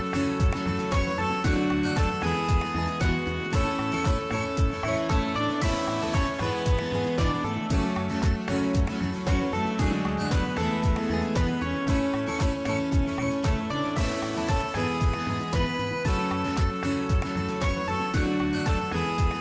สวัสดีครับ